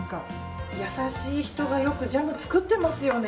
優しい人がよくジャム作ってますよね。